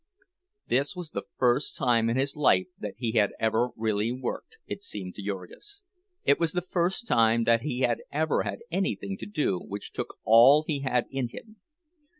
This was the first time in his life that he had ever really worked, it seemed to Jurgis; it was the first time that he had ever had anything to do which took all he had in him.